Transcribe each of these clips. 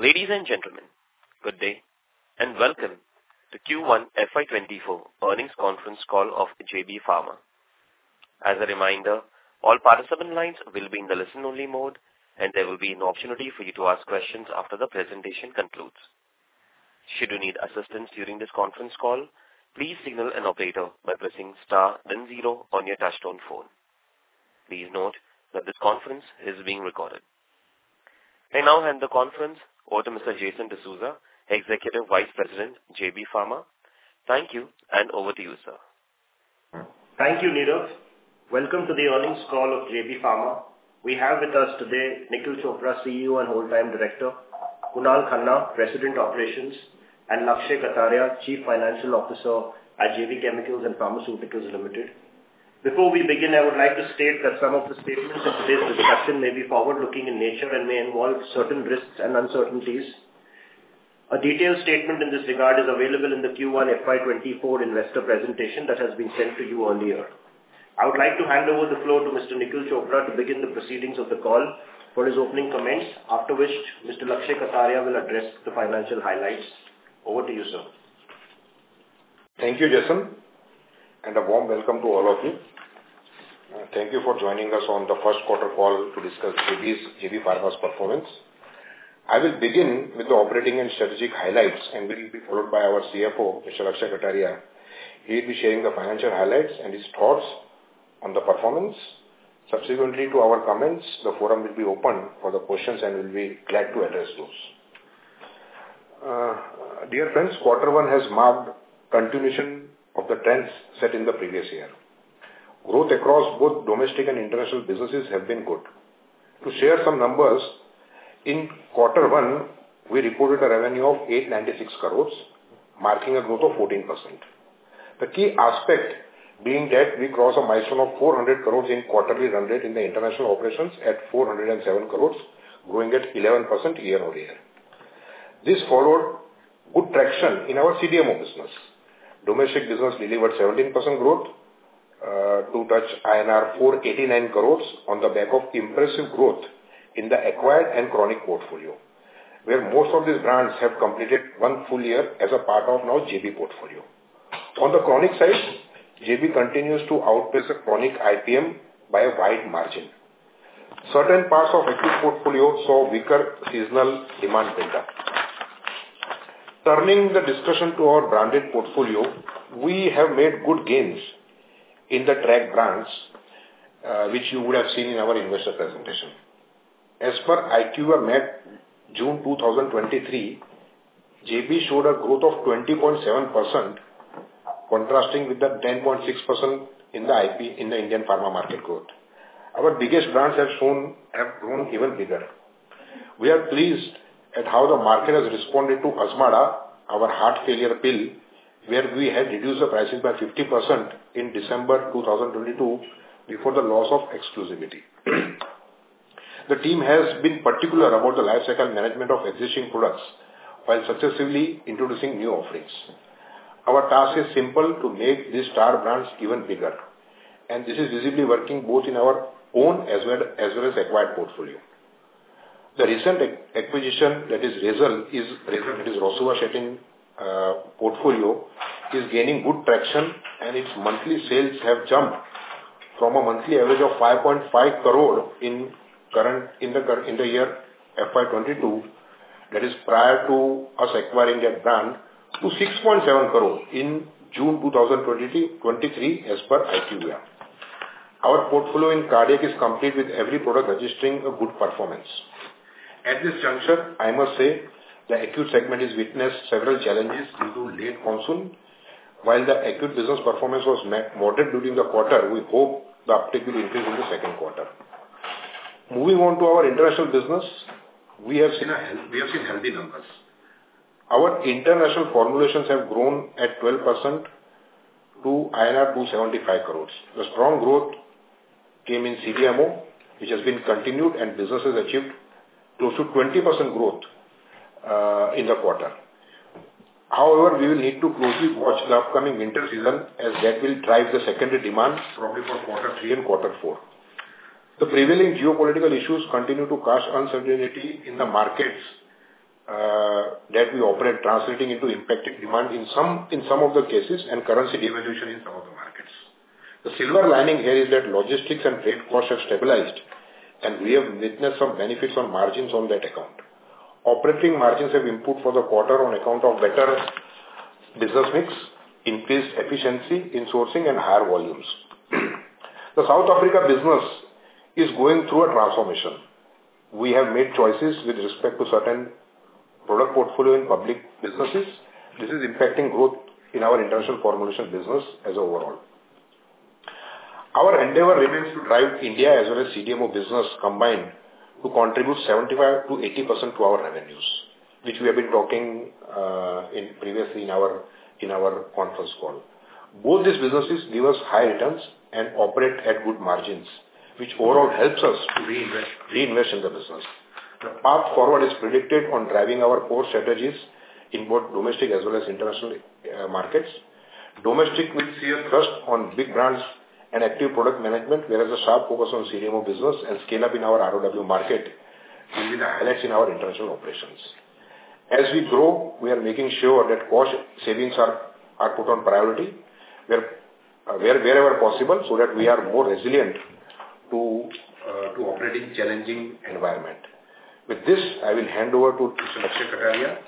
Ladies and gentlemen, good day, welcome to Q1 FY24 earnings conference call of the JB Pharma. As a reminder, all participant lines will be in the listen-only mode, and there will be an opportunity for you to ask questions after the presentation concludes. Should you need assistance during this conference call, please signal an operator by pressing star then 0 on your touch-tone phone. Please note that this conference is being recorded. I now hand the conference over to Mr. Jason D'Souza, Executive Vice President, JB Pharma. Thank you, Over to you, sir. Thank you, Nidok. Welcome to the earnings call of JB Pharma. We have with us today, Nikhil Chopra, CEO and Whole Time Director; Kunal Khanna, President, Operations; and Lakshay Kataria, Chief Financial Officer at JB Chemicals & Pharmaceuticals Limited. Before we begin, I would like to state that some of the statements in today's discussion may be forward-looking in nature and may involve certain risks and uncertainties. A detailed statement in this regard is available in the Q1 FY24 investor presentation that has been sent to you earlier. I would like to hand over the floor to Mr. Nikhil Chopra to begin the proceedings of the call for his opening comments, after which Mr. Lakshay Kataria will address the financial highlights. Over to you, sir. Thank you, Jason. A warm welcome to all of you. Thank you for joining us on the first quarter call to discuss JB's- JB Pharma's performance. I will begin with the operating and strategic highlights, and will be followed by our CFO, Mr. Lakshay Kataria. He'll be sharing the financial highlights and his thoughts on the performance. Subsequently to our comments, the forum will be open for the questions, and we'll be glad to address those. Dear friends, quarter one has marked continuation of the trends set in the previous year. Growth across both domestic and international businesses have been good. To share some numbers, in quarter one, we reported a revenue of 896 crores, marking a growth of 14%. The key aspect being that we crossed a milestone of 400 crore in quarterly run rate in the international operations at 407 crore, growing at 11% year-over-year. This followed good traction in our CDMO business. Domestic business delivered 17% growth to touch INR 489 crore on the back of impressive growth in the acquired and chronic portfolio, where most of these brands have completed 1 full year as a part of now JB portfolio. On the chronic side, JB continues to outpace the chronic IPM by a wide margin. Certain parts of acute portfolio saw weaker seasonal demand build-up. Turning the discussion to our branded portfolio, we have made good gains in the track brands, which you would have seen in our investor presentation. As per IQVIA Map, June 2023, JB showed a growth of 20.7%, contrasting with the 10.6% in the Indian pharma market growth. Our biggest brands have grown even bigger. We are pleased at how the market has responded to Azmarda, our heart failure pill, where we had reduced the prices by 50% in December 2022, before the loss of exclusivity. The team has been particular about the lifecycle management of existing products while successively introducing new offerings. Our task is simple: to make these star brands even bigger. This is visibly working both in our own as well as acquired portfolio. The recent acquisition, that is, Razel, is Rosuvastatin portfolio, is gaining good traction, and its monthly sales have jumped from a monthly average of 5.5 crore in the year FY22, that is, prior to us acquiring that brand, to 6.7 crore in June 2023, as per IQVIA. Our portfolio in cardiac is complete, with every product registering a good performance. At this juncture, I must say the acute segment has witnessed several challenges due to late monsoon. While the acute business performance was moderate during the quarter, we hope the uptake will increase in the second quarter. Moving on to our international business, we have seen healthy numbers. Our international formulations have grown at 12% to INR 275 crores. The strong growth came in CDMO, which has been continued. Business has achieved close to 20% growth in the quarter. However, we will need to closely watch the upcoming winter season, as that will drive the secondary demand probably for Q3 and Q4. The prevailing geopolitical issues continue to cast uncertainty in the markets that we operate, translating into impacted demand in some of the cases, and currency devaluation in some of the markets. The silver lining here is that logistics and freight costs have stabilized. We have witnessed some benefits on margins on that account. Operating margins have improved for the quarter on account of better business mix, increased efficiency in sourcing and higher volumes. The South Africa business is going through a transformation. We have made choices with respect to certain product portfolio in public businesses. This is impacting growth in our international formulation business as overall. Our endeavor remains to drive India as well as CDMO business combined to contribute 75%-80% to our revenues, which we have been talking previously in our conference call. Both these businesses give us high returns and operate at good margins, which overall helps us to reinvest in the business. The path forward is predicted on driving our core strategies in both domestic as well as international markets. Domestic with sheer trust on big brands and active product management, we have a sharp focus on CDMO business and scale up in our ROW market and in our international operations. As we grow, we are making sure that cost savings are put on priority wherever possible, so that we are more resilient to operating challenging environment. With this, I will hand over to Mr. Lakshay Kataria,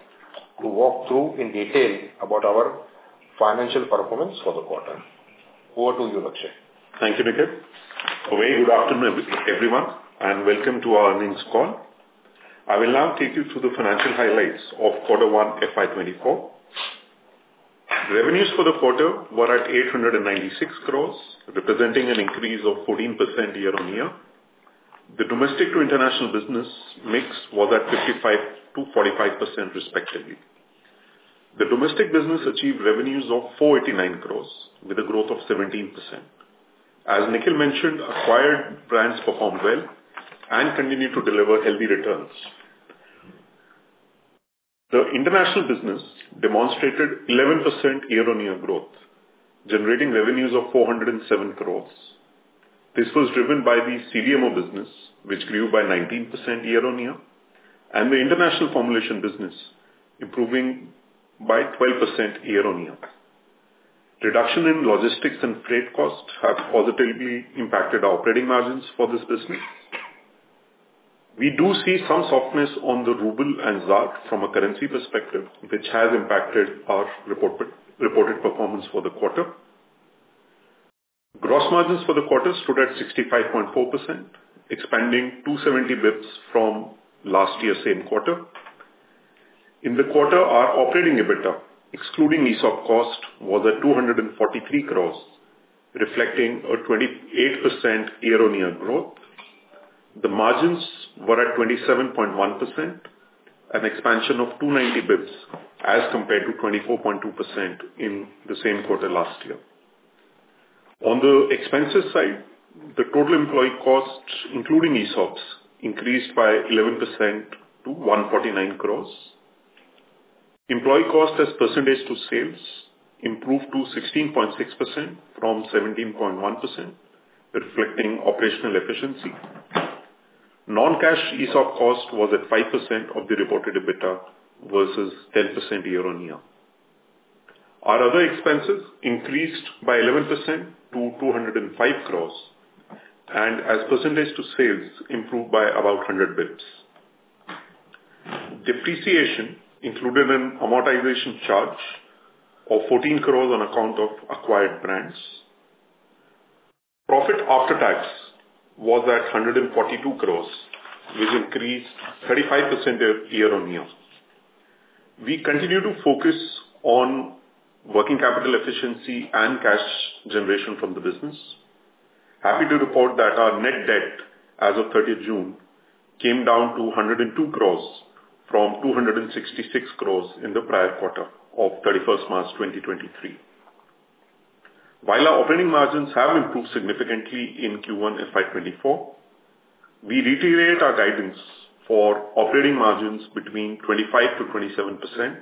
to walk through in detail about our financial performance for the quarter. Over to you, Lakshay. Thank you, Nikhil. A very good afternoon, everyone, welcome to our earnings call. I will now take you through the financial highlights of Q1 FY24. Revenues for the quarter were at 896 crore, representing an increase of 14% year-on-year. The domestic to international business mix was at 55%-45%, respectively. The domestic business achieved revenues of 489 crore, with a growth of 17%. As Nikhil mentioned, acquired brands performed well, continue to deliver healthy returns. The international business demonstrated 11% year-on-year growth, generating revenues of 407 crore. This was driven by the CDMO business, which grew by 19% year-on-year, the international formulation business improving by 12% year-on-year. Reduction in logistics and freight costs have positively impacted our operating margins for this business. We do see some softness on the Ruble and ZAR from a currency perspective, which has impacted our reported performance for the quarter. Gross margins for the quarter stood at 65.4%, expanding 270 basis points from last year's same quarter. In the quarter, our operating EBITDA, excluding ESOP cost, was at 243 crore, reflecting a 28% year-on-year growth. The margins were at 27.1%, an expansion of 290 basis points, as compared to 24.2% in the same quarter last year. On the expenses side, the total employee costs, including ESOPs, increased by 11% to 149 crore. Employee cost as percentage to sales, improved to 16.6% from 17.1%, reflecting operational efficiency. Non-cash ESOP cost was at 5% of the reported EBITDA versus 10% year-on-year. Our other expenses increased by 11% to 205 crore, and as % to sales, improved by about 100 basis points. Depreciation included an amortization charge of 14 crore on account of acquired brands. Profit after tax was at 142 crore, which increased 35% year-on-year. We continue to focus on working capital efficiency and cash generation from the business. Happy to report that our net debt, as of 30th June, came down to 102 crore from 266 crore in the prior quarter of 31st March, 2023. While our operating margins have improved significantly in Q1 FY24, we reiterate our guidance for operating margins between 25%-27%.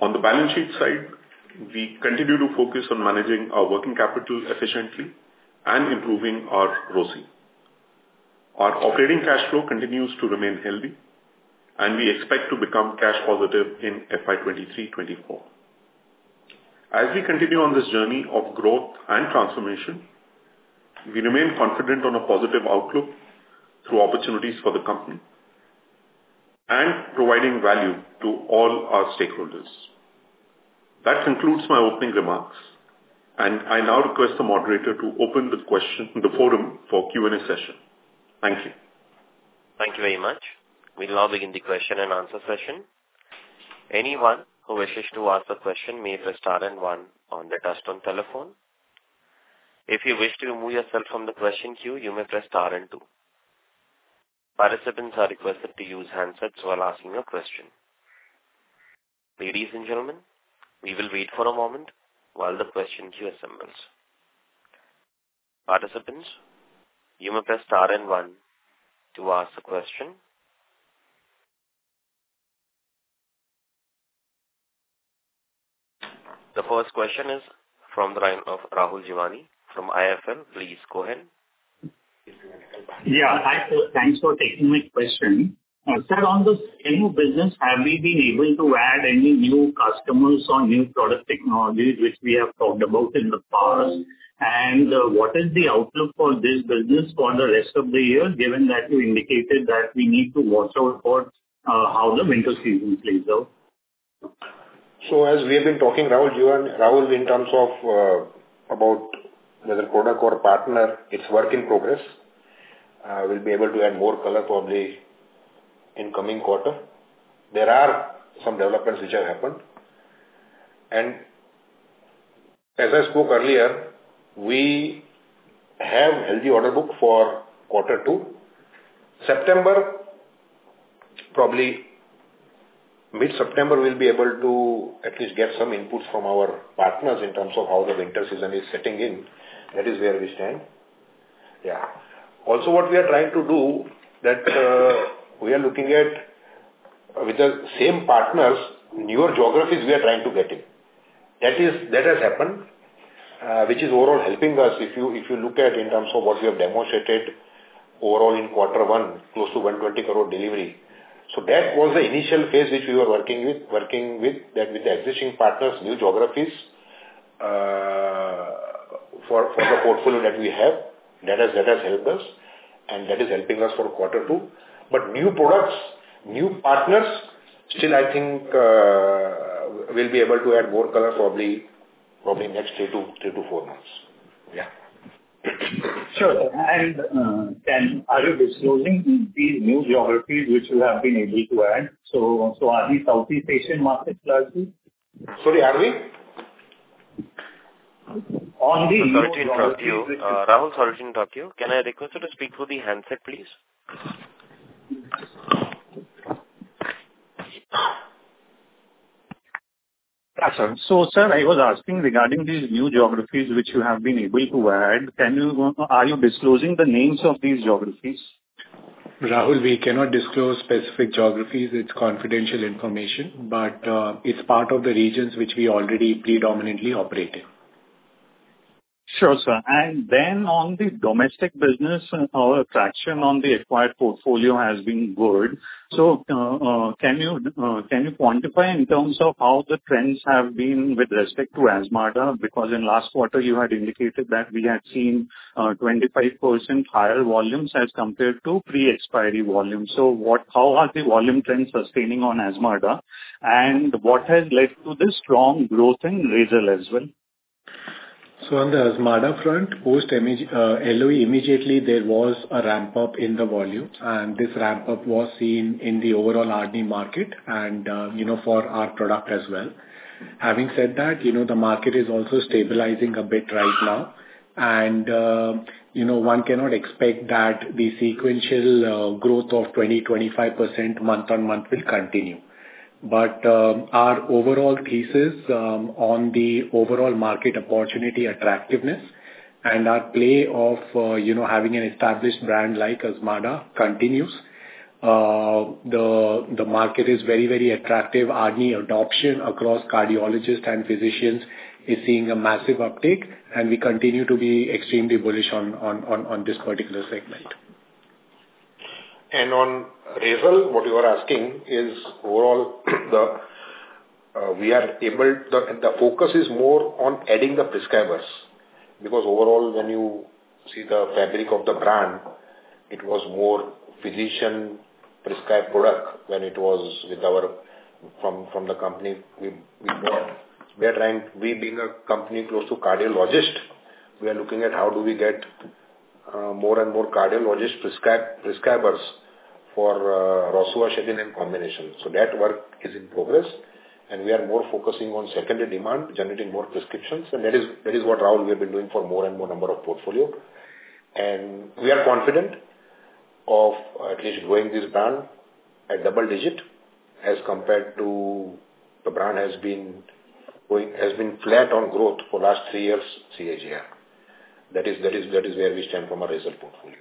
On the balance sheet side, we continue to focus on managing our working capital efficiently and improving our ROCE. Our operating cash flow continues to remain healthy. We expect to become cash positive in FY23, FY24. We continue on this journey of growth and transformation, we remain confident on a positive outlook through opportunities for the company and providing value to all our stakeholders. That concludes my opening remarks. I now request the moderator to open the forum for Q&A session. Thank you. Thank you very much. We'll now begin the question-and-answer session. Anyone who wishes to ask a question may press star and one on their touchtone telephone. If you wish to remove yourself from the question queue, you may press star and two. Participants are requested to use handsets while asking a question. Ladies and gentlemen, we will wait for a moment while the question queue assembles. Participants, you may press star and one to ask a question. The first question is from the line of Rahul Jiwani from IIFL. Please go ahead. Yeah, hi. Thanks for taking my question. Sir, on the CDMO business, have we been able to add any new customers or new product technologies, which we have talked about in the past? What is the outlook for this business for the rest of the year, given that you indicated that we need to watch out for how the winter season plays out? As we have been talking, Rahul Jiwani, in terms of, about whether product or partner, it's work in progress. We'll be able to add more color probably in coming quarter. There are some developments which have happened, and as I spoke earlier, we have healthy order book for Q2. September, probably mid-September, we'll be able to at least get some inputs from our partners in terms of how the winter season is setting in. That is where we stand. Yeah. What we are trying to do that, we are looking at with the same partners, newer geographies we are trying to get in. That has happened, which is overall helping us. If you look at in terms of what we have demonstrated overall in Q1, close to 120 crore delivery. That was the initial phase which we were working with, that with the existing partners, new geographies, for, for the portfolio that we have, that has, that has helped us, and that is helping us for quarter two. New products, new partners, still, I think, we'll be able to add more color probably next 3-4 months. Yeah. Sure. then are you disclosing these new geographies which you have been able to add? Are these Southeast Asian markets largely? Sorry, are we? On the- Rahul, sorry to interrupt you. Rahul, sorry to interrupt you. Can I request you to speak through the handset, please? Yeah, sure. Sir, I was asking regarding these new geographies which you have been able to add. Can you... Are you disclosing the names of these geographies? Rahul, we cannot disclose specific geographies. It's confidential information. It's part of the regions which we already predominantly operate in. Sure, sir. Then on the domestic business, our traction on the acquired portfolio has been good. Can you quantify in terms of how the trends have been with respect to Azmarda? Because in last quarter, you had indicated that we had seen 25% higher volumes as compared to pre-expiry volumes. How are the volume trends sustaining on Azmarda, and what has led to this strong growth in Razel as well? On the Azmarda front, post image, LOE, immediately there was a ramp-up in the volume, and this ramp-up was seen in the overall R&D market and, you know, for our product as well. Having said that, you know, the market is also stabilizing a bit right now, and, you know, one cannot expect that the sequential growth of 20-25% month-on-month will continue. Our overall thesis on the overall market opportunity attractiveness and our play of, you know, having an established brand like Azmarda continues. The market is very, very attractive. R&D adoption across cardiologists and physicians is seeing a massive uptake, and we continue to be extremely bullish on, on, on, on this particular segment. On Razel, what you are asking is overall, the focus is more on adding the prescribers, because overall, when you see the fabric of the brand, it was more physician-prescribed product than it was with the company we bought. We are trying, we being a company close to cardiologist, we are looking at how do we get more and more cardiologist prescribers for Rosuvastatin in combination. That work is in progress, and we are more focusing on secondary demand, generating more prescriptions, and that is, that is what, Rahul, we have been doing for more and more number of portfolio. We are confident of at least growing this brand at double digit as compared to the brand has been going, has been flat on growth for last 3 years, CAGR. That is where we stand from a Razel portfolio.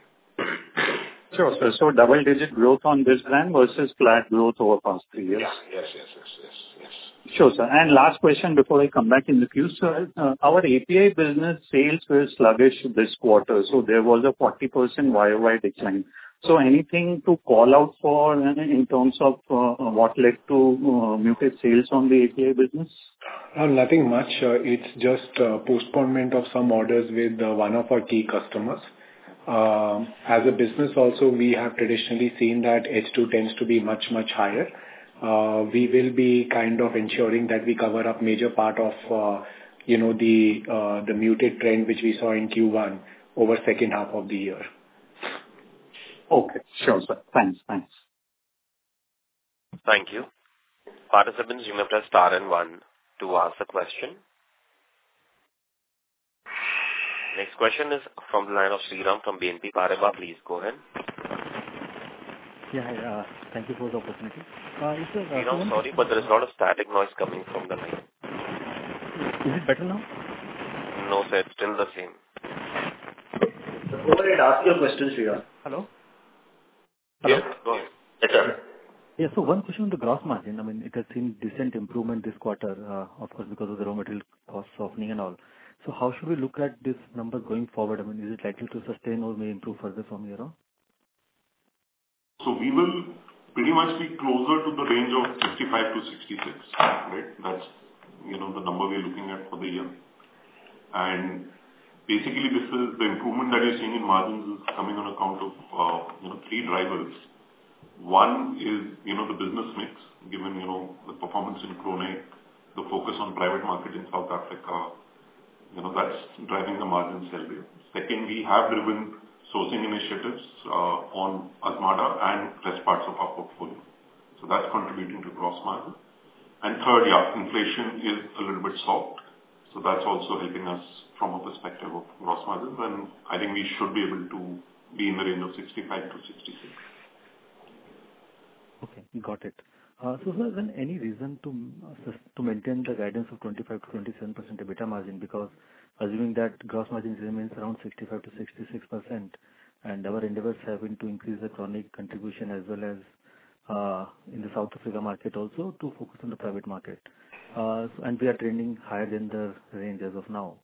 Sure, double-digit growth on this brand versus flat growth over the past three years? Yeah. Yes, yes, yes, yes, yes. Sure, sir. Last question before I come back in the queue. Sir, our API business sales were sluggish this quarter, so there was a 40% YoY decline. Anything to call out for in, in terms of, what led to, muted sales on the API business? Nothing much. It's just postponement of some orders with one of our key customers. As a business also, we have traditionally seen that H2 tends to be much, much higher. We will be kind of ensuring that we cover up major part of, you know, the muted trend, which we saw in Q1 over second half of the year. Okay. Sure, sir. Thanks, thanks. Thank you. Participants, you may press star and one to ask a question. Next question is from the line of Sriram from BNP Paribas. Please go ahead. Yeah, thank you for the opportunity. Mr- Sriram, sorry, but there is a lot of static noise coming from the line. Is it better now? No, sir, it's still the same. Go ahead, ask your question, Sriram. Hello? Yes, go ahead. Yes, sir. Yeah. One question on the gross margin. I mean, it has seen decent improvement this quarter, of course, because of the raw material cost softening and all. How should we look at this number going forward? I mean, is it likely to sustain or may improve further from here on? We will pretty much be closer to the range of 55-66, right? That's, you know, the number we are looking at for the year. Basically, this is the improvement that you're seeing in margins is coming on account of, you know, three drivers. One is, you know, the business mix, given, you know, the performance in chronic, the focus on private market in South Africa, you know, that's driving the margins healthy. Second, we have driven sourcing initiatives, on Azmarda and rest parts of our portfolio, so that's contributing to gross margin. Third, yeah, inflation is a little bit soft, so that's also helping us from a perspective of gross margin, and I think we should be able to be in the range of 65-66. Got it. Sir, is there any reason to, to maintain the guidance of 25%-27% EBITDA margin? Because assuming that gross margin remains around 65%-66%, and our endeavors have been to increase the chronic contribution as well as, in the South Africa market also to focus on the private market. And we are trending higher than the range as of now.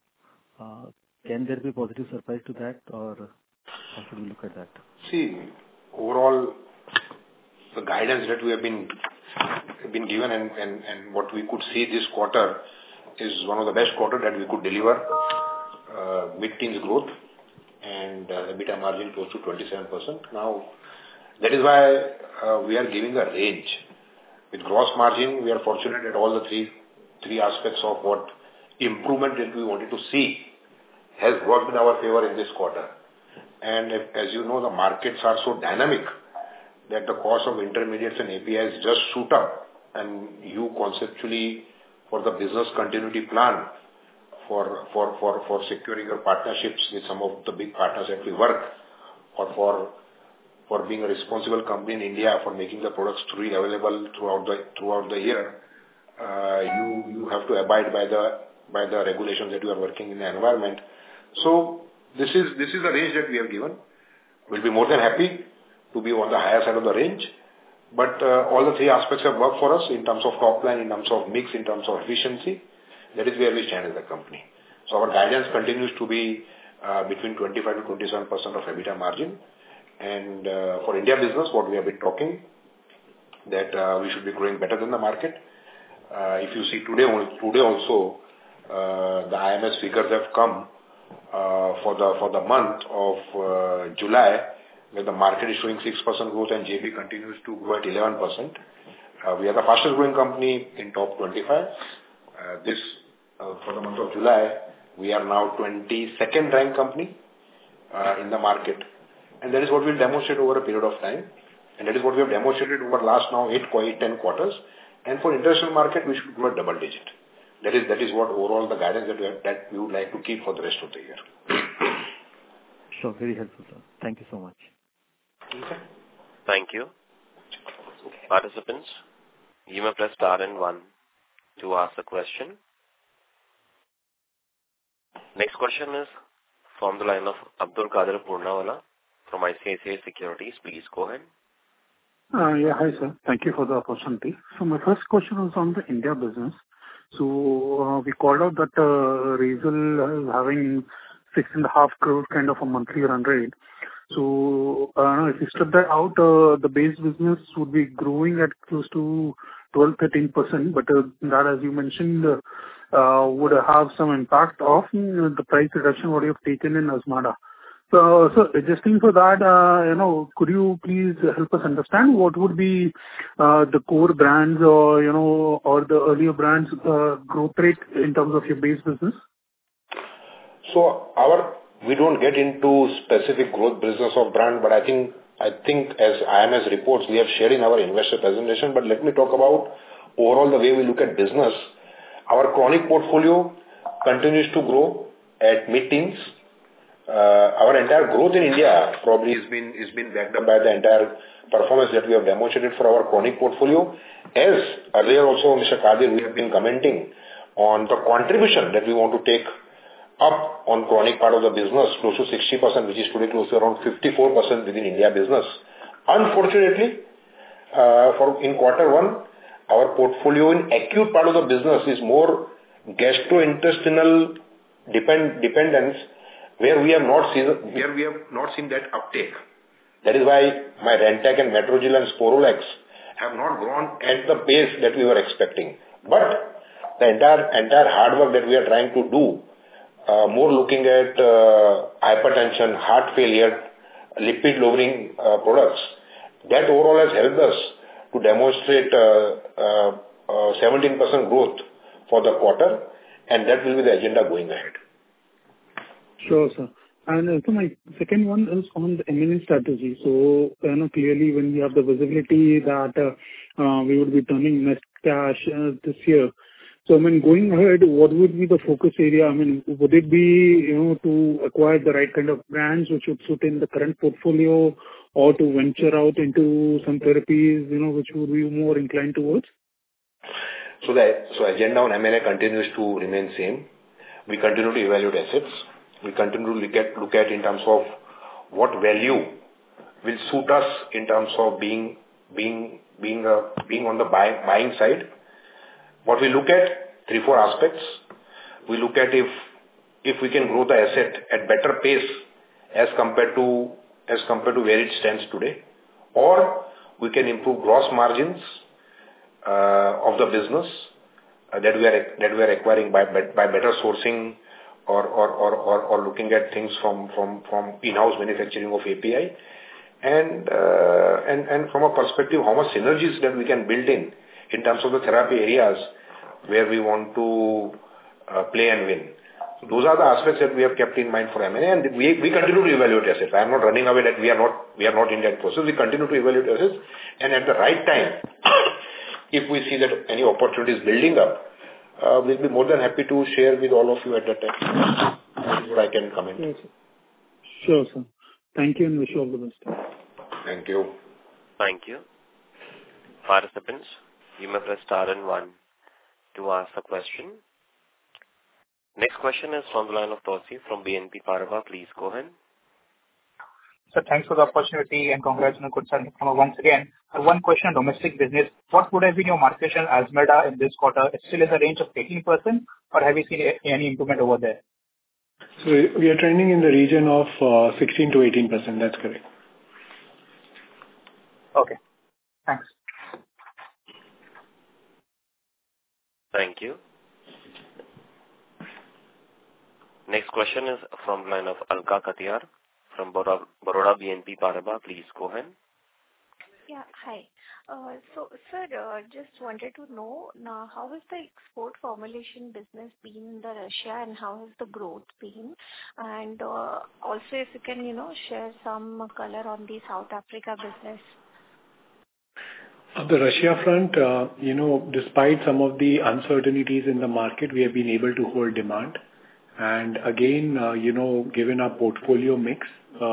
Can there be positive surprise to that, or how should we look at that? See, overall, the guidance that we have been, been given and, and, and what we could see this quarter is one of the best quarter that we could deliver, mid-teens growth and, EBITDA margin close to 27%. Now, that is why, we are giving a range. With gross margin, we are fortunate that all the 3, 3 aspects of what improvement that we wanted to see has worked in our favor in this quarter. As you know, the markets are so dynamic that the cost of intermediates and APIs just shoot up, and you conceptually, for the business continuity plan, for securing your partnerships with some of the big partners that we work, or for being a responsible company in India, for making the products truly available throughout the year, you have to abide by the regulations that you are working in the environment. This is the range that we have given. We'll be more than happy to be on the higher side of the range, but all the three aspects have worked for us in terms of top line, in terms of mix, in terms of efficiency. That is where we stand as a company. Our guidance continues to be between 25%-27% of EBITDA margin. For India business, what we have been talking, that we should be growing better than the market. If you see today, today also, the IMS figures have come for the month of July, where the market is showing 6% growth and JB continues to grow at 11%. We are the fastest growing company in top 25. This for the month of July, we are now 22nd ranked company in the market. That is what we demonstrate over a period of time, and that is what we have demonstrated over the last now 8-10 quarters. For international market, we should grow at double-digit. That is, that is what overall the guidance that we would like to keep for the rest of the year. Sure. Very helpful, sir. Thank you so much. Thank you. Thank you. Participants, you may press star and 1 to ask a question. Next question is from the line of Abdulkader Puranwala from ICICI Securities. Please go ahead. Yeah, hi, sir. Thank you for the opportunity. My first question was on the India business. We called out that Razel is having 6.5 crore kind of a monthly run rate. If you strip that out, the base business would be growing at close to 12%-13%, but that, as you mentioned, would have some impact of the price reduction what you have taken in Azmarda. Adjusting for that, you know, could you please help us understand what would be the core brands or, you know, or the earlier brands, growth rate in terms of your base business? Our we don't get into specific growth business or brand, but I think, I think as IMS reports, we are sharing our investor presentation. Let me talk about overall the way we look at business. Our chronic portfolio continues to grow at mid-teens. Our entire growth in India probably has been, is been backed up by the entire performance that we have demonstrated for our chronic portfolio. As earlier also, Mr. Kadir, we have been commenting on the contribution that we want to take up on chronic part of the business, close to 60%, which is pretty close to around 54% within India business. Unfortunately, for in quarter one, our portfolio in acute part of the business is more gastrointestinal depend, dependence, where we have not seen, where we have not seen that uptake. That is why my Rantac and Metrogyl and Sporlac have not grown at the pace that we were expecting. The entire, entire hard work that we are trying to do, more looking at hypertension, heart failure, lipid-lowering products, that overall has helped us to demonstrate 17% growth for the quarter, and that will be the agenda going ahead. Sure, sir. Also my second one is on the M&A strategy. I know clearly when we have the visibility that we would be turning net cash this year. I mean, going ahead, what would be the focus area? I mean, would it be, you know, to acquire the right kind of brands which would suit in the current portfolio, or to venture out into some therapies, you know, which would we be more inclined towards? The agenda on M&A continues to remain same. We continue to evaluate assets. We continue to look at in terms of what value will suit us in terms of being on the buying side. What we look at? 3, 4 aspects. We look at if we can grow the asset at better pace as compared to where it stands today, or we can improve gross margins of the business that we are acquiring by better sourcing or looking at things from in-house manufacturing of API. From a perspective, how much synergies that we can build in in terms of the therapy areas where we want to play and win. Those are the aspects that we have kept in mind for M&A, and we continue to evaluate assets. I'm not running away, like, we are not in that process. We continue to evaluate assets, and at the right time... If we see that any opportunity is building up, we'll be more than happy to share with all of you at that time. That's what I can comment. Sure, sir. Thank you, and wish you all the best. Thank you. Thank you. Participants, you may press star and 1 to ask a question. Next question is on the line of Tausif from BNP Paribas. Please go ahead. Sir, thanks for the opportunity, congrats on a good quarter once again. One question on domestic business: What would have been your market share Azmarda in this quarter? It's still in the range of 18%, have you seen any improvement over there? We are trending in the region of 16%-18%. That's correct. Okay, thanks. Thank you. Next question is from line of Alka Kothiyal from Baroda, Baroda BNP Paribas. Please go ahead. Yeah, hi. sir, just wanted to know, now, how has the export formulation business been in Russia, and how has the growth been? also, if you can, you know, share some color on the South Africa business. On the Russia front, you know, despite some of the uncertainties in the market, we have been able to hold demand. Again, you know, given our portfolio mix,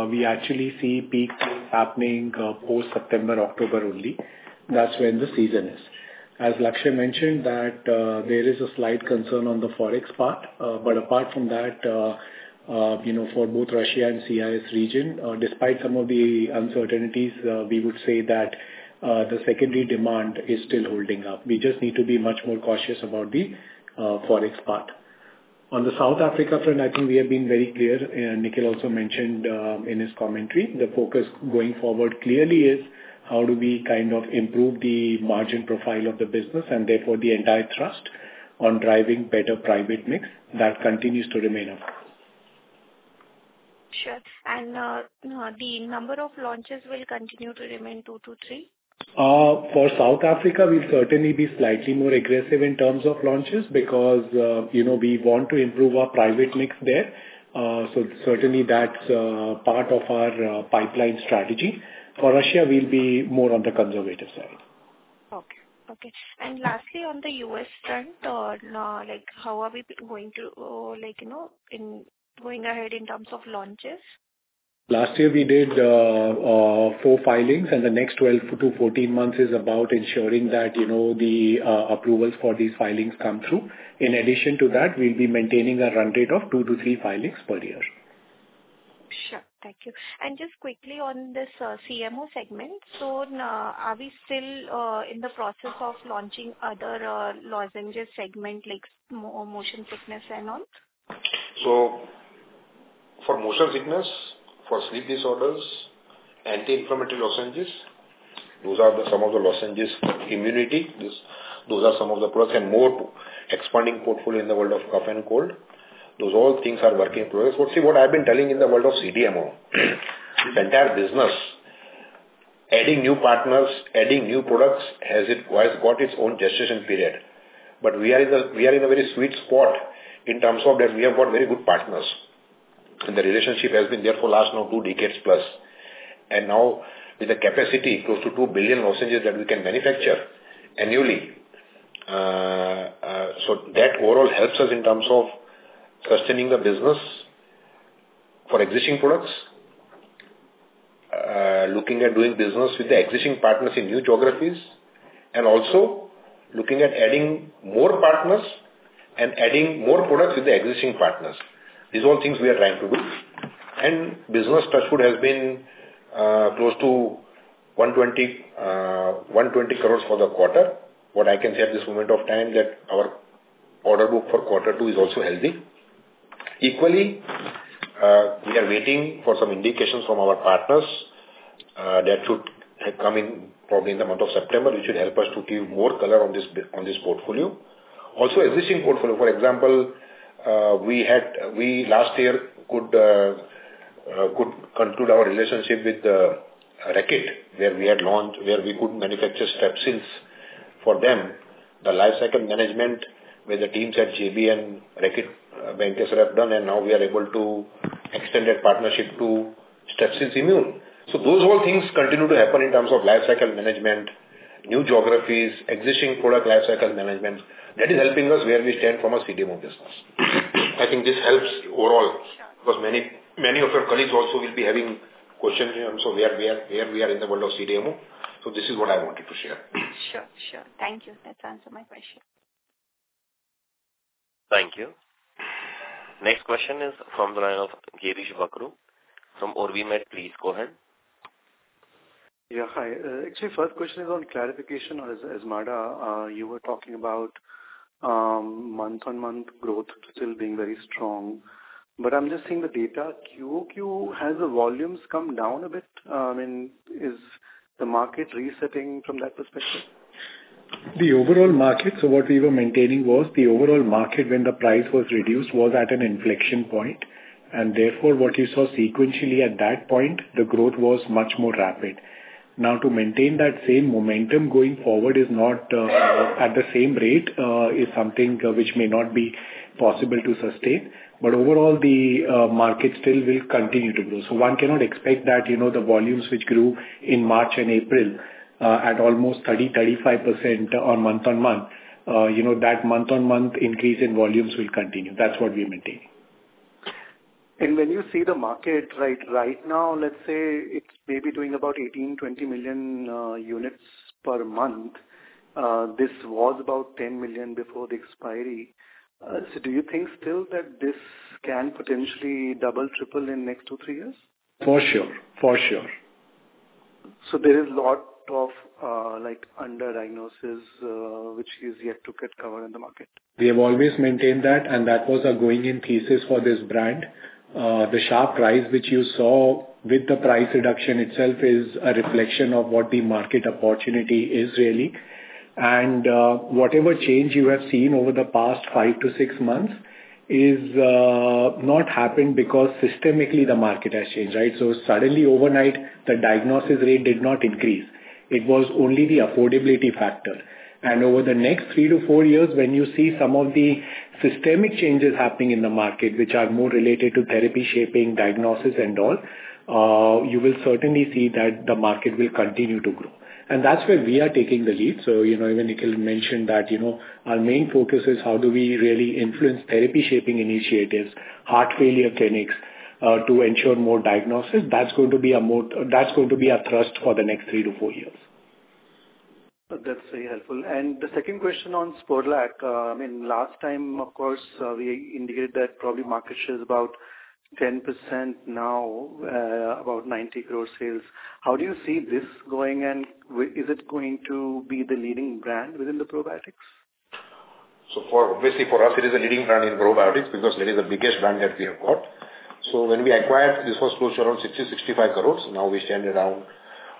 we actually see peaks happening, post-September, October only. That's when the season is. As Lakshay mentioned, that, there is a slight concern on the Forex part. Apart from that, you know, for both Russia and CIS region, despite some of the uncertainties, we would say that, the secondary demand is still holding up. We just need to be much more cautious about the, Forex part. On the South Africa front, I think we have been very clear, and Nikhil also mentioned in his commentary, the focus going forward clearly is how do we kind of improve the margin profile of the business, and therefore, the entire trust on driving better private mix, that continues to remain up. Sure. The number of launches will continue to remain 2-3? For South Africa, we'll certainly be slightly more aggressive in terms of launches because, you know, we want to improve our private mix there. Certainly that's part of our pipeline strategy. For Russia, we'll be more on the conservative side. Okay. Okay. Lastly, on the US front, now, like, how are we going to, like, you know, in going ahead in terms of launches? Last year, we did 4 filings, and the next 12-14 months is about ensuring that, you know, the approvals for these filings come through. In addition to that, we'll be maintaining a run rate of 2-3 filings per year. Sure. Thank you. Just quickly on this, CMO segment, so, are we still in the process of launching other lozenges segment, like motion sickness and all? For motion sickness, for sleep disorders, anti-inflammatory lozenges, those are the some of the lozenges, immunity, those are some of the products, and more expanding portfolio in the world of cough and cold. Those all things are working. See, what I've been telling in the world of CDMO, the entire business, adding new partners, adding new products, has got its own gestation period. We are in a very sweet spot in terms of that we have got very good partners, and the relationship has been there for last now two decades plus. Now with the capacity close to 2 billion lozenges that we can manufacture annually, so that overall helps us in terms of sustaining the business for existing products, looking at doing business with the existing partners in new geographies, and also looking at adding more partners and adding more products with the existing partners. These are all things we are trying to do. And business touchwood has been close to 120 crores for the quarter. What I can say at this moment of time that our order book for quarter 2 is also healthy. Equally, we are waiting for some indications from our partners that should come in probably in the month of September, which should help us to give more color on this, on this portfolio. Also, existing portfolio, for example, we had, we last year could conclude our relationship with Reckitt, where we had launched, where we could manufacture Strepsils for them. The lifecycle management, where the teams at JB and Reckitt Benckiser have done, and now we are able to extend that partnership to Strepsils Immune. Those all things continue to happen in terms of lifecycle management, new geographies, existing product lifecycle management. That is helping us where we stand from a CDMO business. I think this helps overall. Sure. because many, many of your colleagues also will be having questions, so where we are, where we are in the world of CDMO, so this is what I wanted to share. Sure. Sure. Thank you. That answered my question. Thank you. Next question is from the line of Girish Bakhru from OrbiMed. Please go ahead. Yeah, hi. actually, first question is on clarification on Azmarda. you were talking about month-on-month growth still being very strong, but I'm just seeing the data QOQ, has the volumes come down a bit? Is the market resetting from that perspective? The overall market, so what we were maintaining was the overall market when the price was reduced, was at an inflection point, and therefore, what you saw sequentially at that point, the growth was much more rapid. Now, to maintain that same momentum going forward is not at the same rate, is something which may not be possible to sustain, but overall, the market still will continue to grow. One cannot expect that, you know, the volumes which grew in March and April, at almost 30, 35% on month-on-month, you know, that month-on-month increase in volumes will continue. That's what we maintain. When you see the market, right, right now, let's say it's maybe doing about 18, 20 million units per month. This was about 10 million before the expiry. Do you think still that this can potentially double, triple in next 2, 3 years? For sure. For sure. There is lot of, like, underdiagnosis, which is yet to get covered in the market? We have always maintained that, and that was a going-in thesis for this brand. The sharp rise which you saw with the price reduction itself is a reflection of what the market opportunity is, really. Whatever change you have seen over the past five to six months is not happened because systemically, the market has changed, right? Suddenly, overnight, the diagnosis rate did not increase. It was only the affordability factor. Over the next three to four years, when you see some of the systemic changes happening in the market, which are more related to therapy shaping, diagnosis and all, you will certainly see that the market will continue to grow. That's where we are taking the lead. You know, even Nikhil mentioned that, you know, our main focus is how do we really influence therapy shaping initiatives, heart failure clinics, to ensure more diagnosis. That's going to be our thrust for the next 3-4 years. That's very helpful. The second question on Sporlac. Last time, of course, we indicated that probably market share is about 10% now, about 90 growth sales. How do you see this going, and is it going to be the leading brand within the probiotics? For, obviously, for us, it is a leading brand in probiotics because that is the biggest brand that we have got. When we acquired, this was close to around 60 crore-65 crore. Now we stand around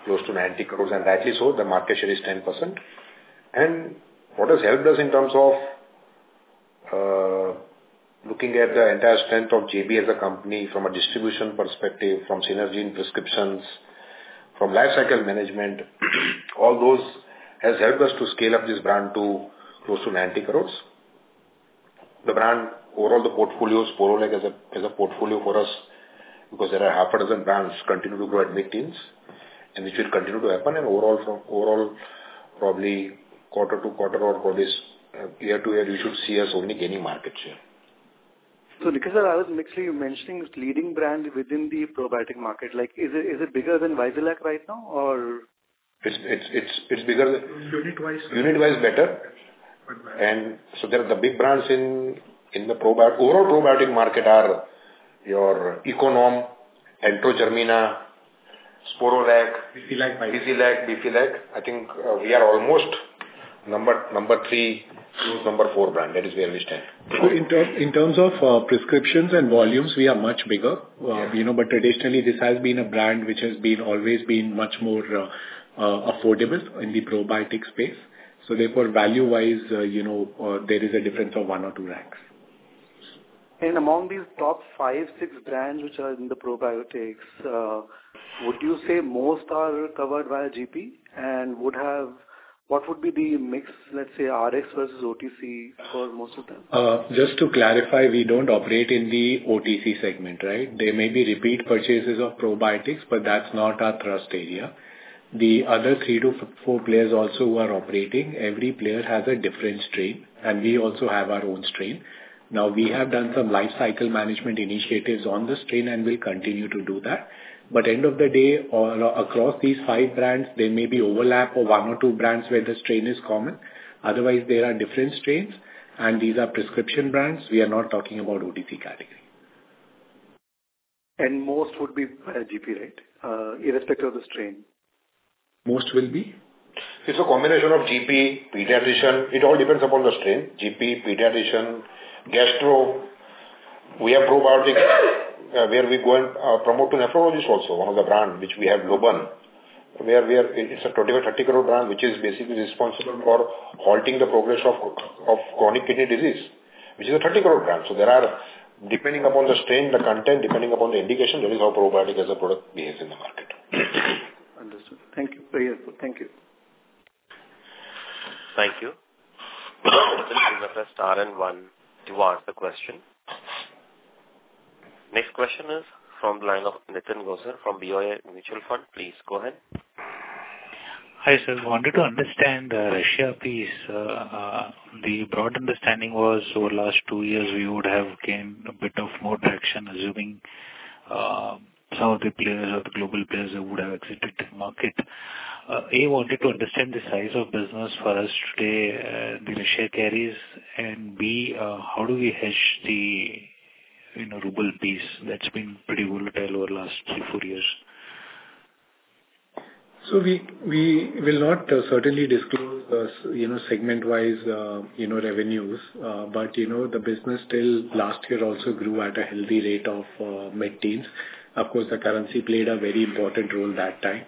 close to 90 crore, and rightly so, the market share is 10%. What has helped us in terms of looking at the entire strength of JB as a company from a distribution perspective, from synergy in prescriptions, from life cycle management, all those has helped us to scale up this brand to close to 90 crore. The brand, overall, the portfolio, Sporlac as a, as a portfolio for us, because there are half a dozen brands continue to grow at mid-teens, and this will continue to happen. Overall, from overall, probably quarter to quarter or for this year to year, you should see us only gaining market share. Because, sir, I was actually mentioning this leading brand within the probiotic market, like, is it, is it bigger than Vizylac right now, or? It's bigger- Unit-wise. Unit-wise, better. There are the big brands in, in the overall probiotic market are your Econorm, Enterogermina, Sporlac... Vizylac. Vizylac, Vizylac. I think, we are almost number 3 to number 4 brand. That is where we stand. In terms of prescriptions and volumes, we are much bigger. You know, but traditionally, this has been a brand which has been always been much more affordable in the probiotic space. Therefore, value-wise, you know, there is a difference of 1 or 2 lakhs. among these top 5, 6 brands which are in the probiotics, would you say most are covered via GP, and what would be the mix, let's say, RX versus OTC for most of them? Just to clarify, we don't operate in the OTC segment, right? There may be repeat purchases of probiotics, but that's not our thrust area. The other three to four players also who are operating, every player has a different strain, and we also have our own strain. We have done some life cycle management initiatives on the strain, and we'll continue to do that. End of the day, or across these five brands, there may be overlap of one or two brands where the strain is common. Otherwise, there are different strains, and these are prescription brands. We are not talking about OTC category. Most would be via GP, right? Irrespective of the strain. Most will be? It's a combination of GP, pediatrician. It all depends upon the strain, GP, pediatrician, gastro. We have probiotics, where we go and promote to nephrologist also, one of the brand which we have, Globan. It's an 20 crore or 30 crore brand, which is basically responsible for halting the progression of chronic kidney disease, which is an 30 crore brand. There are, depending upon the strain, the content, depending upon the indication, that is how probiotic as a product behaves in the market. Understood. Thank you. Very helpful. Thank you. Thank you. Next RN1, you ask the question. Next question is from the line of Nitin Gosar from BOI Mutual Fund. Please go ahead. Hi, sir. I wanted to understand Russia piece. The broad understanding was over last 2 years, we would have gained a bit of more traction, assuming some of the players or the global players would have exited the market. A, wanted to understand the size of business for us today, the Russia carries, and B, how do we hedge the, you know, ruble piece that's been pretty volatile over the last 3-4 years? We, we will not certainly disclose, you know, segment-wise, you know, revenues, but you know, the business still last year also grew at a healthy rate of mid-teens. Of course, the currency played a very important role that time.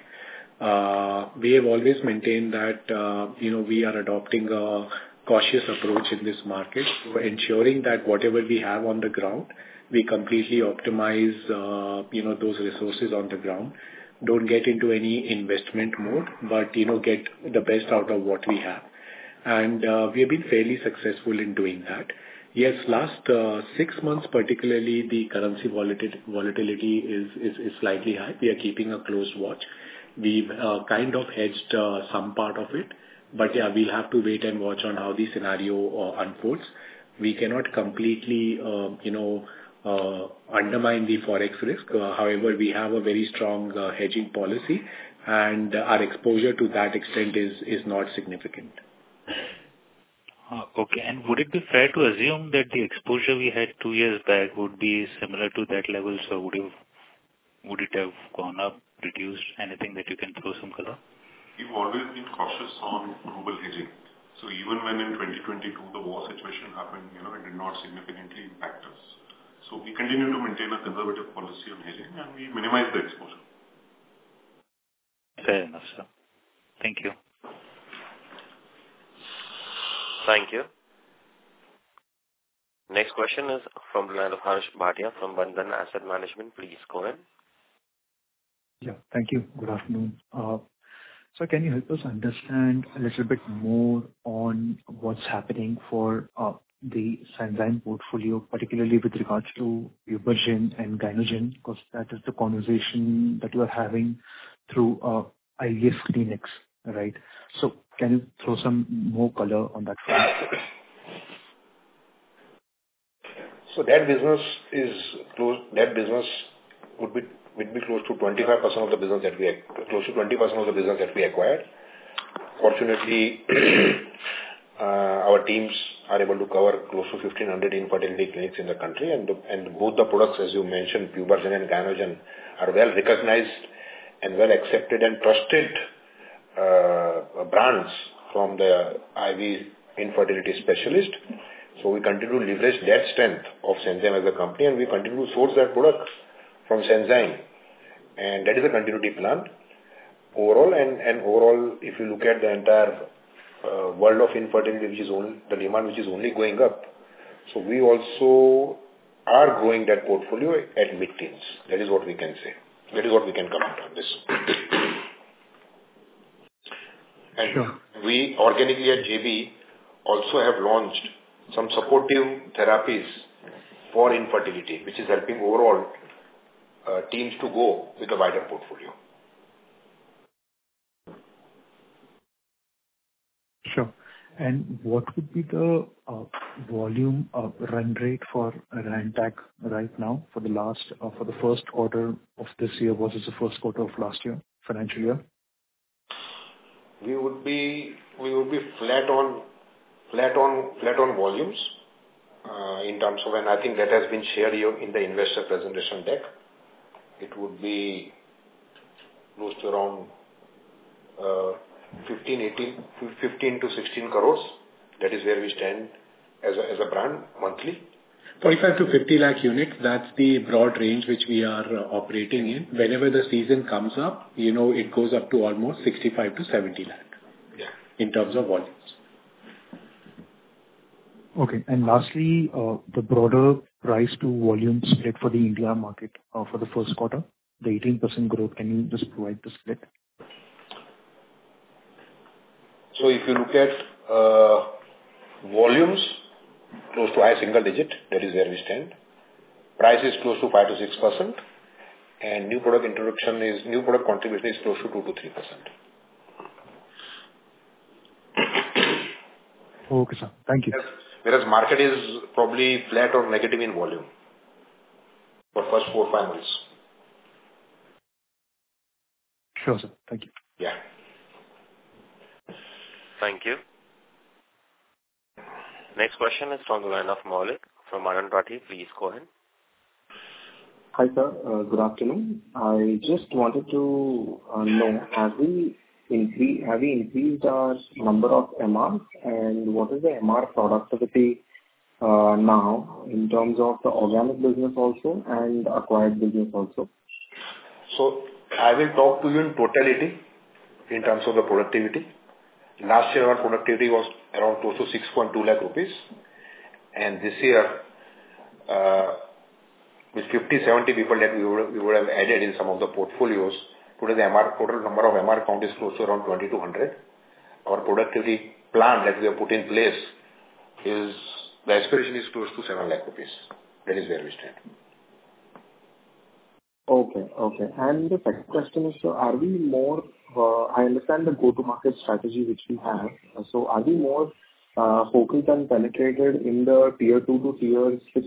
We have always maintained that, you know, we are adopting a cautious approach in this market. We're ensuring that whatever we have on the ground, we completely optimize, you know, those resources on the ground. Don't get into any investment mode, but, you know, get the best out of what we have. ...We have been fairly successful in doing that. Yes, last six months, particularly the currency volatility is slightly high. We are keeping a close watch. We've kind of hedged some part of it, we'll have to wait and watch on how the scenario unfolds. We cannot completely, you know, undermine the Forex risk. However, we have a very strong hedging policy, and our exposure to that extent is not significant. Okay. Would it be fair to assume that the exposure we had two years back would be similar to that level? Would it, would it have gone up, reduced? Anything that you can throw some color? We've always been cautious on global hedging. Even when in 2022, the war situation happened, you know, it did not significantly impact us. We continue to maintain a conservative policy on hedging, and we minimize the exposure. Fair enough, sir. Thank you. Thank you. Next question is from Harsh Bhatia from Bandhan AMC Limited. Please go ahead. Yeah. Thank you. Good afternoon. Can you help us understand a little bit more on what's happening for the Sanzyme portfolio, particularly with regards to Pubergen and Gynogen, because that is the conversation that you are having through IV clinics, right? Can you throw some more color on that front? That business is close. That business would be, would be close to 25% of the business that we acquired, close to 20% of the business that we acquired. Fortunately, our teams are able to cover close to 1,500 infertility clinics in the country, and both the products, as you mentioned, Pubergen and Gynogen, are well-recognized and well-accepted and trusted brands from the IV infertility specialist. We continue to leverage that strength of Sanzyme as a company, and we continue to source that product from Sanzyme, and that is a continuity plan. Overall and, and overall, if you look at the entire world of infertility, which is only, the demand which is only going up, we also are growing that portfolio at mid-teens. That is what we can say. That is what we can comment on this. Sure. We organically at JB also have launched some supportive therapies for infertility, which is helping overall teams to go with a wider portfolio. Sure. What would be the volume of run rate for Rantac right now for the first quarter of this year versus the first quarter of last year, financial year? We would be flat on volumes, in terms of... I think that has been shared here in the investor presentation deck. It would be close to around 15, 18, 15-16 crore. That is where we stand as a brand monthly. 25-50 lakh units, that's the broad range which we are operating in. Whenever the season comes up, you know, it goes up to almost 65-70 lakh- Yeah in terms of volumes. Okay. Lastly, the broader price to volume split for the India market, for the first quarter, the 18% growth, can you just provide the split? If you look at, volumes, close to high single-digit, that is where we stand. Price is close to 5%-6%, and new product contribution is close to 2%-3%. Okay, sir. Thank you. Whereas market is probably flat or negative in volume for first 4, 5 months. Sure, sir. Thank you. Yeah. Thank you. Next question is from the line of Maulik from Anand Rathi. Please go ahead. Hi, sir. good afternoon. I just wanted to know, have we increased our number of MRs, and what is the MR productivity now in terms of the organic business also and acquired business also? I will talk to you in totality in terms of the productivity. Last year, our productivity was around close to 6.2 lakh rupees, and this year, with 50-70 people that we would, we would have added in some of the portfolios, today the MR, total number of MR count is close to around 2,200. Our productivity plan that we have put in place is, the aspiration is close to 7 lakh rupees. That is where we stand. Okay. Okay. The second question is, are we more... I understand the go-to-market strategy which we have. Are we more focused and penetrated in the tier 2 to tier 6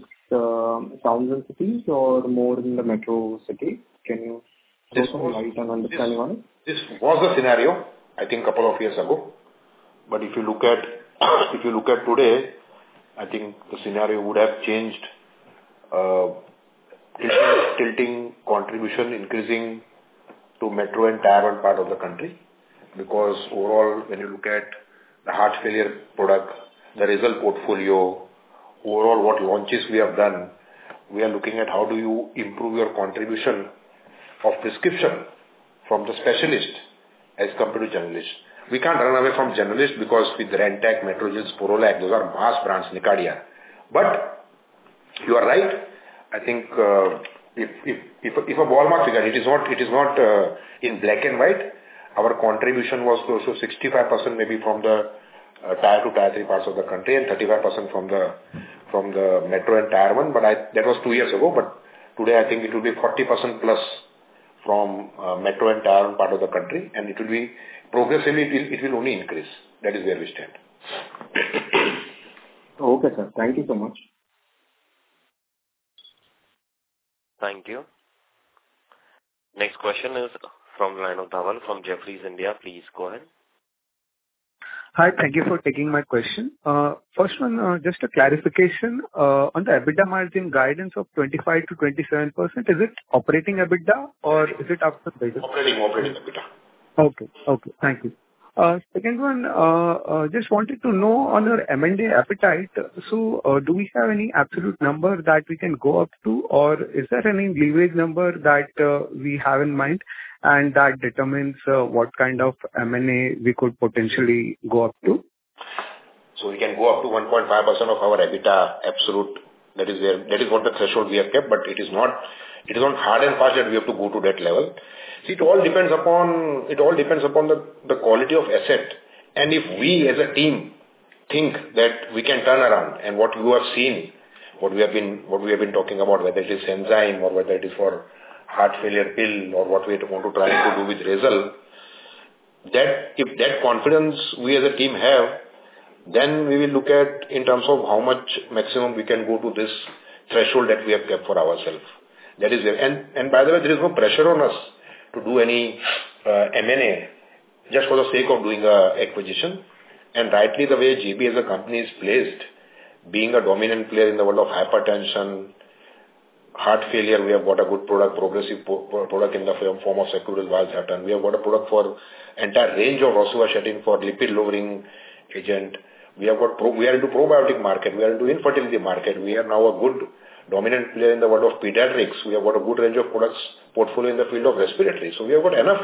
towns and cities or more in the metro city? Can you just shine some light on understanding on it? This was a scenario, I think, couple of years ago, but if you look at, if you look at today, I think the scenario would have changed, tilting contribution increasing to metro and tier one part of the country. Because overall, when you look at the heart failure product, the result portfolio, overall, what launches we have done, we are looking at how do you improve your contribution of prescription from the specialist as compared to generalist. We can't run away from generalist because with Rantac, Metrogyl, Sporlac, those are mass brands, Nicardia. You are right. I think, if, if, if a ballpark figure, it is not, it is not, in black and white. Our contribution was close to 65% maybe from the tier two, tier three parts of the country, and 35% from the metro and tier one. that was 2 years ago, but today, I think it will be 40% plus from metro and tier 1 part of the country, and it will be progressively, it will, it will only increase. That is where we stand. Okay, sir. Thank you so much. Thank you. Next question is from Mr. Dhawal from Jefferies, India. Please go ahead. Hi, thank you for taking my question. First one, just a clarification, on the EBITDA margin guidance of 25%-27%, is it operating EBITDA or is it after-? Operating, operating EBITDA. Okay. Okay, thank you. Second one, just wanted to know on your M&A appetite, so, do we have any absolute number that we can go up to? Or is there any leverage number that we have in mind, and that determines what kind of M&A we could potentially go up to? We can go up to 1.5% of our EBITDA absolute. That is what the threshold we have kept, but it is not, it is not hard and fast that we have to go to that level. It all depends upon, it all depends upon the, the quality of asset, and if we as a team think that we can turn around and what you are seeing, what we have been, what we have been talking about, whether it is Sanzyme or whether it is for heart failure pill or what we want to try to do with Razel, if that confidence we as a team have, then we will look at in terms of how much maximum we can go to this threshold that we have kept for ourselves. That is there. By the way, there is no pressure on us to do any M&A, just for the sake of doing acquisition. Rightly, the way GB as a company is placed, being a dominant player in the world of hypertension, heart failure, we have got a good product, progressive product in the form of Sacubitril/Valsartan. We have got a product for entire range of Rosuvastatin for lipid-lowering agent. We are into probiotic market, we are into infertility market. We are now a good dominant player in the world of pediatrics. We have got a good range of products portfolio in the field of respiratory. We have got enough,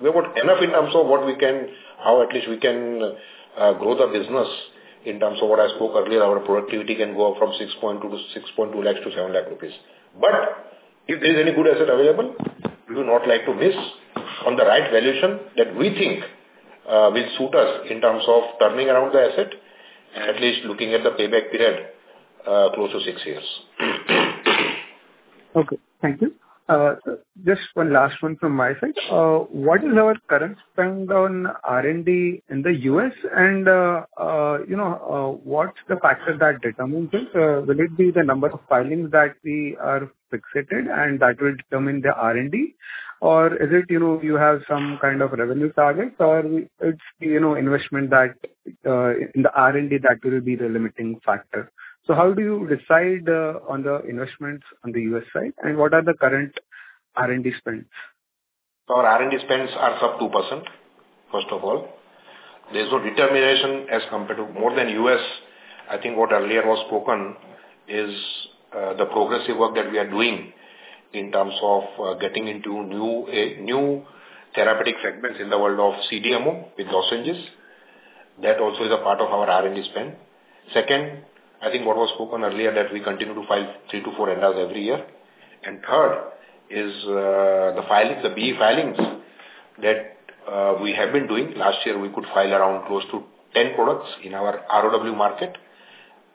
we have got enough in terms of what we can-- how at least we can grow the business in terms of what I spoke earlier, our productivity can go up from 6.2 lakh to 6.2 lakh to 7 lakh rupees. If there is any good asset available, we would not like to miss on the right valuation that we think will suit us in terms of turning around the asset, at least looking at the payback period close to six years. Okay, thank you. Sir, just one last one from my side. What is our current spend on R&D in the U.S. and, you know, what's the factor that determines this? Will it be the number of filings that we are fixated and that will determine the R&D? Or is it, you know, you have some kind of revenue target or it's, you know, investment that in the R&D that will be the limiting factor. How do you decide on the investments on the U.S. side, and what are the current R&D spends? Our R&D spends are sub 2%, first of all. There's no determination as compared to more than US. I think what earlier was spoken is the progressive work that we are doing in terms of getting into new, new therapeutic segments in the world of CDMO with assays. That also is a part of our R&D spend. Second, I think what was spoken earlier, that we continue to file 3 to 4 NDAs every year. Third is the filings, the B filings that we have been doing. Last year, we could file around close to 10 products in our ROW market.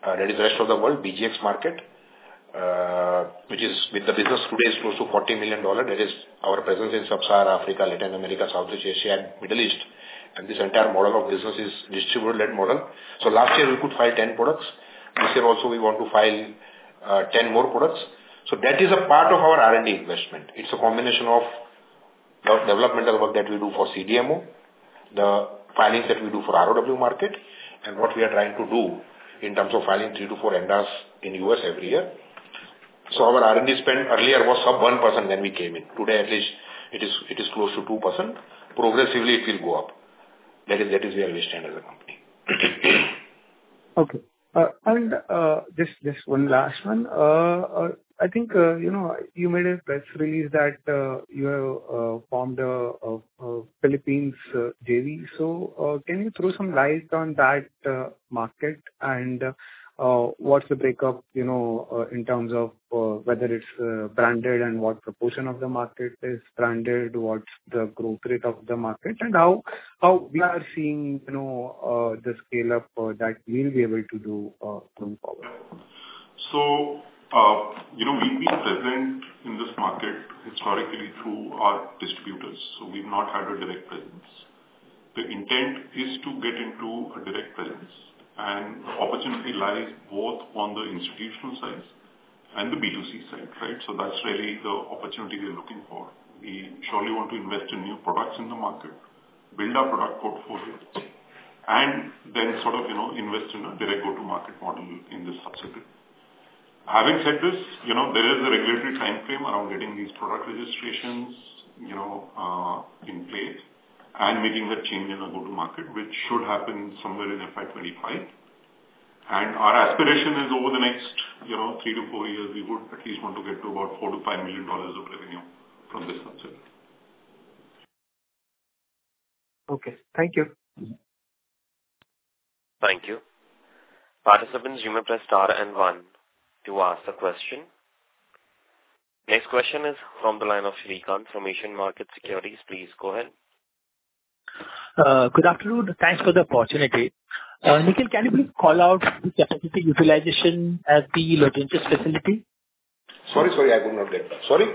That is the rest of the world, BGX market, which is with the business today is close to $40 million. That is our presence in Sub-Saharan Africa, Latin America, South Asia, and Middle East. This entire model of business is distributor-led model. Last year, we could file 10 products. This year also, we want to file 10 more products. That is a part of our R&D investment. It's a combination of developmental work that we do for CDMO, the filings that we do for ROW market, and what we are trying to do in terms of filing 3 to 4 NDAs in US every year. Our R&D spend earlier was sub 1% when we came in. Today, at least it is, it is close to 2%. Progressively, it will go up. That is, that is where we stand as a company. Okay. Just one last one. I think, you know, you made a press release that you have formed a Philippines JV. Can you throw some light on that market? What's the breakup, you know, in terms of whether it's branded and what proportion of the market is branded, what's the growth rate of the market, and how, how we are seeing, you know, the scale-up that we'll be able to do going forward? You know, we've been present in this market historically through our distributors, so we've not had a direct presence. The intent is to get into a direct presence, and the opportunity lies both on the institutional side and the B2C side, right? That's really the opportunity we are looking for. We surely want to invest in new products in the market, build our product portfolio, and then sort of, you know, invest in a direct go-to-market model in this subset. Having said this, you know, there is a regulatory timeframe around getting these product registrations, you know, in place and making that change in the go-to-market, which should happen somewhere in FY25. Our aspiration is over the next, you know, 3-4 years, we would at least want to get to about $4 million-$5 million of revenue from this subset. Okay, thank you. Thank you. Participants, you may press star and one to ask the question. Next question is from the line of Srikanth from Asian Markets Securities. Please go ahead. Good afternoon. Thanks for the opportunity. Nikhil, can you please call out the capacity utilization at the lozenges facility? Sorry, sorry, I could not get. Sorry.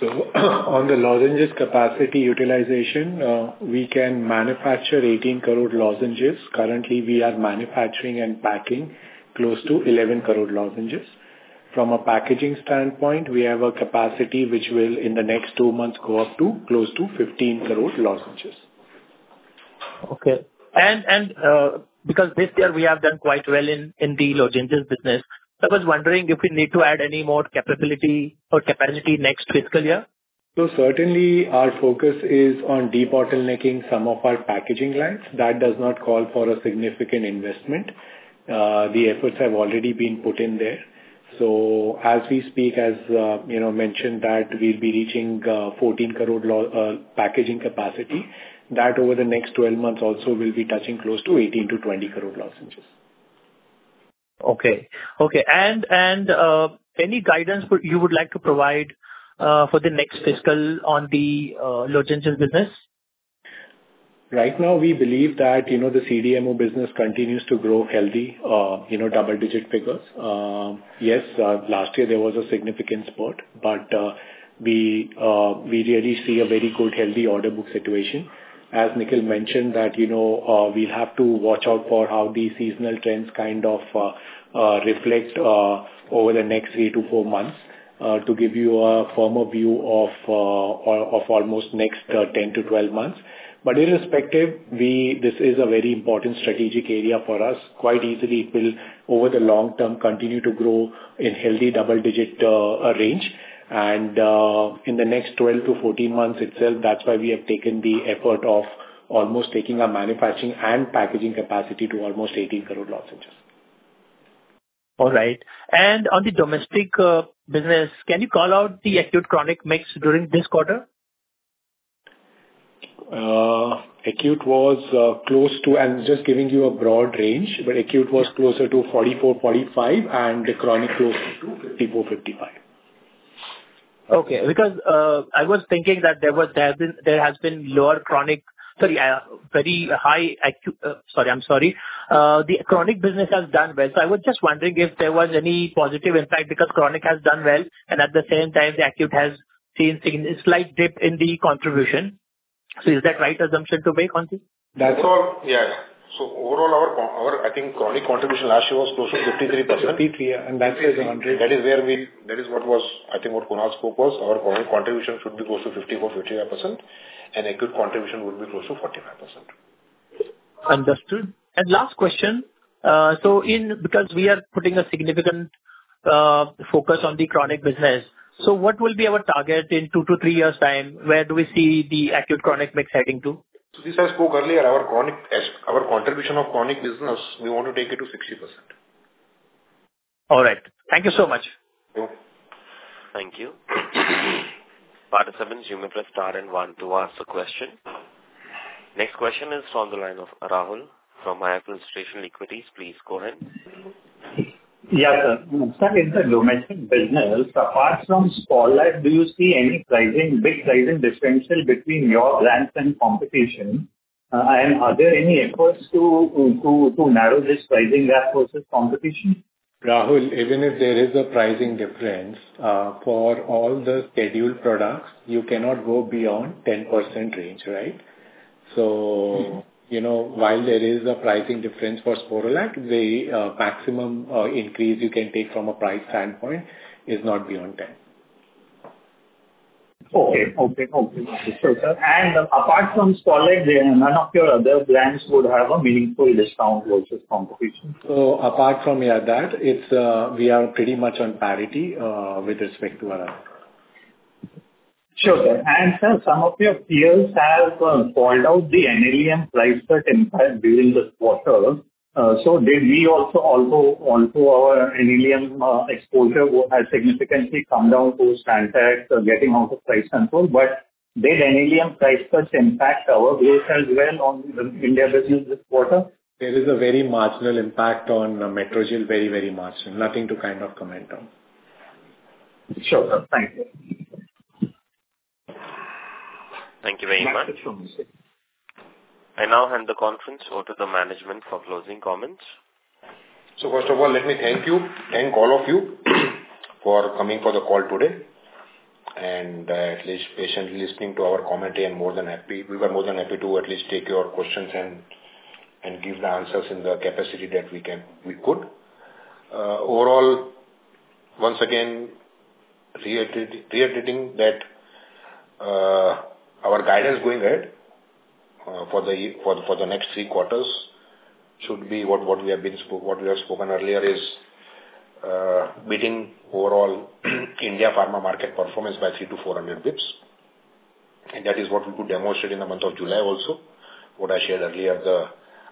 On the lozenges capacity utilization, we can manufacture 18 crore lozenges. Currently, we are manufacturing and packing close to 11 crore lozenges. From a packaging standpoint, we have a capacity which will, in the next two months, go up to close to 15 crore lozenges. Okay. Because this year we have done quite well in, in the lozenges business, I was wondering if we need to add any more capability or capacity next fiscal year? Certainly, our focus is on de-bottlenecking some of our packaging lines. That does not call for a significant investment. The efforts have already been put in there. As we speak, as, you know, mentioned that we'll be reaching 14 crore packaging capacity. That over the next 12 months also will be touching close to 18-20 crore lozenges. Okay. Okay, and, and, any guidance you would like to provide, for the next fiscal on the, lozenges business? Right now, we believe that, you know, the CDMO business continues to grow healthy, you know, double-digit figures. Yes, last year there was a significant spot, we really see a very good, healthy order book situation. As Nikhil mentioned, that, you know, we have to watch out for how the seasonal trends kind of reflect over the next 3 to 4 months to give you a firmer view of almost next 10 to 12 months. Irrespective, this is a very important strategic area for us. Quite easily, it will, over the long term, continue to grow in healthy double digit range. In the next 12 to 14 months itself, that's why we have taken the effort of almost taking our manufacturing and packaging capacity to almost 18 crore lozenges. All right. On the domestic business, can you call out the acute/chronic mix during this quarter? acute was, close to... I'm just giving you a broad range, but acute was closer to 44-45, and the chronic close to 54-55. Okay. Because, I was thinking that there has been lower chronic, sorry, very high acute... sorry, I'm sorry. The chronic business has done well, I was just wondering if there was any positive insight, because chronic has done well, and at the same time, the acute has seen significant, a slight dip in the contribution. Is that right assumption to make on this? Overall, our, I think, chronic contribution last year was close to 53%. 53, yeah, that is the 100. That is what was, I think, what Kunal's focus, our chronic contribution should be close to 54%, 55%, and acute contribution would be close to 45%. Understood. Last question, so in, because we are putting a significant focus on the chronic business, so what will be our target in two to three years' time? Where do we see the acute/chronic mix heading to? This I spoke earlier, our chronic, our contribution of chronic business, we want to take it to 60%. All right. Thank you so much. Thank you. Thank you. Participants, you may press star and one to ask the question. Next question is on the line of Rahul from Emkay Institutional Equities Please go ahead. Yeah, sir. sir, in the domestic business, apart from Sporlac, do you see any pricing, big pricing differential between your brands and competition? Are there any efforts to narrow this pricing gap versus competition? Rahul, even if there is a pricing difference, for all the scheduled products, you cannot go beyond 10% range, right? Mm-hmm. you know, while there is a pricing difference for Sporlac, the maximum increase you can take from a price standpoint is not beyond 10. Okay, okay, okay. Apart from Sporlac, there, none of your other brands would have a meaningful discount versus competition? Apart from, yeah, that, it's, we are pretty much on parity with respect to our brand. Sure, sir. Some of your peers have called out the NLEM price cut impact during this quarter. Did we also, our NLEM exposure has significantly come down to Santec getting out of price control, but did NLEM price cuts impact our gross as well on the India business this quarter? There is a very marginal impact on Metrogyl, very, very marginal. Nothing to kind of comment on. Sure, sir. Thank you. Thank you very much. I now hand the conference over to the management for closing comments. First of all, let me thank you, thank all of you, for coming for the call today, and at least patiently listening to our commentary. We were more than happy to at least take your questions and give the answers in the capacity that we can, we could. Overall, once again, reiterating, reiterating that our guidance going ahead for the next three quarters should be what, what we have been spoke, what we have spoken earlier is beating overall India pharma market performance by 300-400 basis points, and that is what we could demonstrate in the month of July also. What I shared earlier, the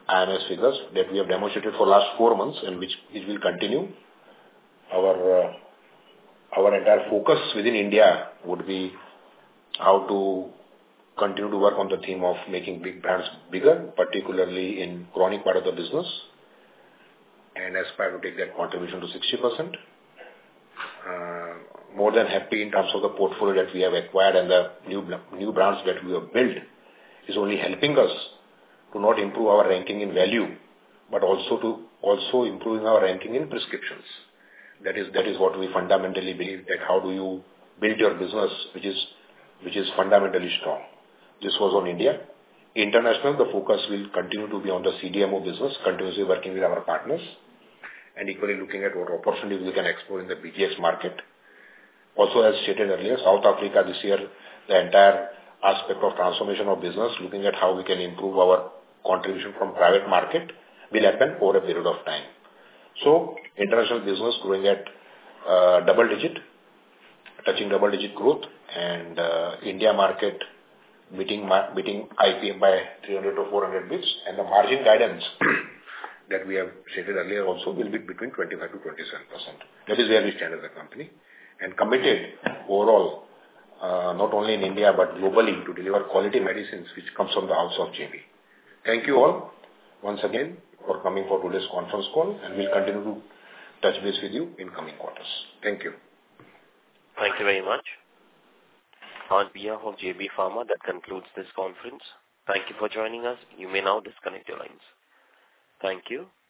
IMS figures that we have demonstrated for last four months, and which it will continue. Our, our entire focus within India would be how to continue to work on the theme of making big brands bigger, particularly in chronic part of the business, and aspire to take that contribution to 60%. More than happy in terms of the portfolio that we have acquired and the new brands that we have built, is only helping us to not improve our ranking in value, but also to, also improving our ranking in prescriptions. That is, that is what we fundamentally believe, that how do you build your business, which is, which is fundamentally strong. This was on India. International, the focus will continue to be on the CDMO business, continuously working with our partners, and equally looking at what opportunities we can explore in the BGX market. Also, as stated earlier, South Africa this year, the entire aspect of transformation of business, looking at how we can improve our contribution from private market, will happen over a period of time. So international business growing at double digit, touching double digit growth, and India market beating beating IPM by 300-400 bps. The margin guidance that we have stated earlier also will be between 25%-27%. That is where we stand as a company, and committed overall, not only in India, but globally, to deliver quality medicines, which comes from the House of JB. Thank you all once again for coming for today's conference call, and we'll continue to touch base with you in coming quarters. Thank you. Thank you very much. On behalf of JB Pharma, that concludes this conference. Thank you for joining us. You may now disconnect your lines. Thank you.